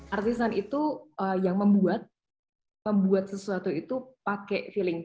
artisan itu yang membuat sesuatu itu pakai feeling